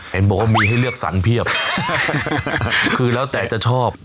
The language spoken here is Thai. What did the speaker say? เห็นบอกว่ามีให้เลือกสรรเพียบคือแล้วแต่จะชอบ